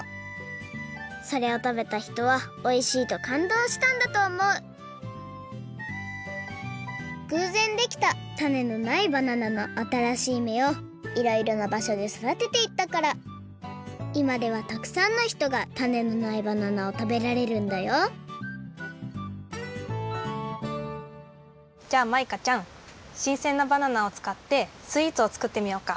それをたべたひとはおいしいとかんどうしたんだとおもうぐうぜんできたタネのないバナナのあたらしいめをいろいろなばしょでそだてていったからいまではたくさんのひとがタネのないバナナをたべられるんだよじゃあマイカちゃんしんせんなバナナをつかってスイーツを作ってみようか。